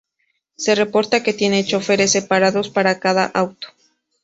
Se reporta que tiene choferes separados para cada auto.